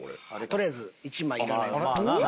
とりあえず１枚いらないやつ。